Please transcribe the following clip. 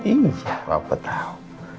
iya apa tau